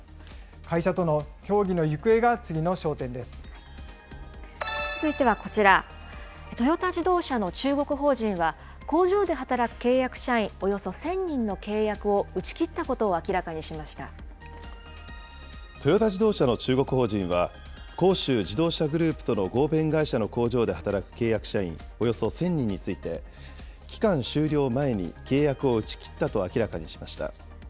会社との協議の行方が次の焦点で続いてはこちら、トヨタ自動車の中国法人は、工場で働く契約社員およそ１０００人の契約を打トヨタ自動車の中国法人は、広州自動車グループとの合弁会社の工場で働く契約社員およそ１０００人について、期間終了前に契約を打ち切ったと明らかにしました。